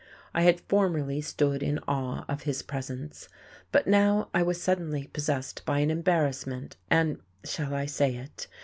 I had formerly stood in awe of his presence. But now I was suddenly possessed by an embarrassment, and (shall I say it?)